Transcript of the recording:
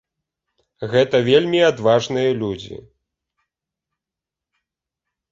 Гэта вельмі адважныя людзі.